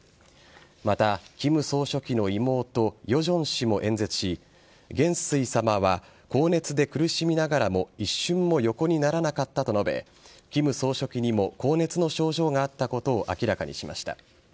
また、金総書記の妹ヨジョン氏も演説し元帥様は高熱で苦しみながらも一瞬も横にならなかったと述べ金総書記にも高熱の症状があったことを明らかにしました。